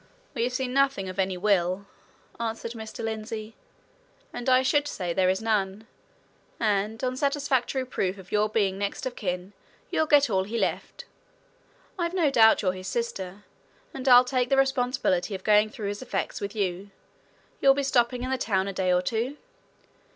"We've seen nothing of any will," answered Mr. Lindsey. "And I should say there is none, and on satisfactory proof of your being next of kin, you'll get all he left. I've no doubt you're his sister, and I'll take the responsibility of going through his effects with you. You'll be stopping in the town a day or two?